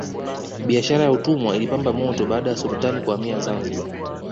biashara ya utumwa ilipamba moto baada ya sultani kuhamia zanzibar